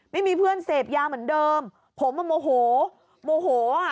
ไม่มีเพื่อนเสพยาเหมือนเดิมผมอ่ะโมโหโมโหอ่ะ